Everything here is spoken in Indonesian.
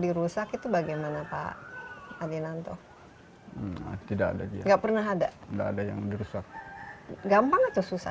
dirusak itu bagaimana pak adinanto tidak ada enggak pernah ada yang dirusak gampang atau susah